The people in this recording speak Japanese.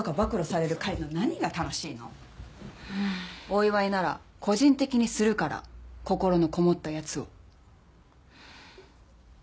お祝いなら個人的にするから心のこもったやつを。